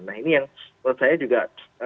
nah ini yang menurut saya juga